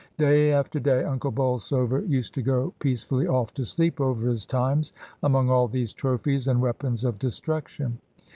Day after day. Unde Bolsover used to go peace fsiUy off to sleep over his TiineSy among all these trophies and weapons of destruction.